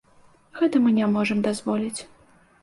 Гэта мы не можам дазволіць.